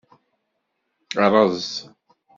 Ṛez.